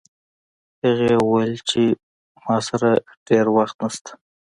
هغې وویل چې ما سره ډېر وخت نشته